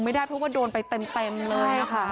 ไม่ได้เพราะว่าโดนไปเต็มเลยค่ะ